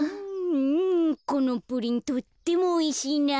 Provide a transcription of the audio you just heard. うんこのプリンとってもおいしいな。